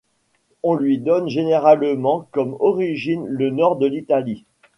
On lui donne généralement comme origine le nord de l'Italie.